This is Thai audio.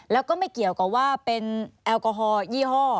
แล้วก็ไม่เกี่ยวกับว่าเป็นแอลกอฮอลยี่ห้อ